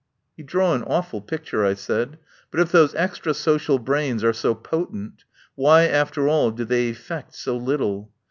"You draw an awful picture," I said. "But if those extra social brains are so potent, why after all do they effect so little?